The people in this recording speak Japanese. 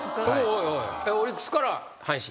オリックスから阪神？